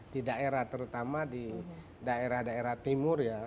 di daerah terutama di daerah daerah timur ya